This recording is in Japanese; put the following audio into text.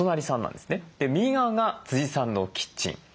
右側がさんのキッチン。